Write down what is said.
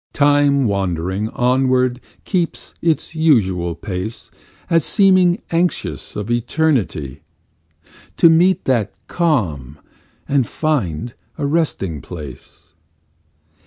Time wandering onward keeps its usual pace As seeming anxious of eternity, To meet that calm and find a resting place.